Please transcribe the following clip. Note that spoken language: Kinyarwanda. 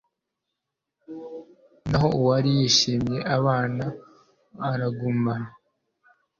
naho uwari yishimye abana aragumbaha